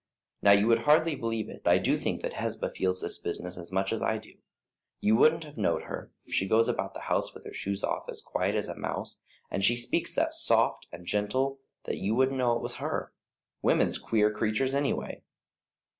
Now you would hardly believe it, but I do think that Hesba feels this business as much as I do. You wouldn't have knowed her; she goes about the house with her shoes off as quiet as a mouse, and she speaks that soft and gentle you wouldn't know it was her. Women's queer creatures anyway."